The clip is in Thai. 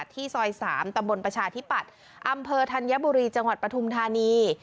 ที่ซอย๓ตำบลประชาธิปัตย์อำเภอธัญบุรีจังหวัดปฐุมธานี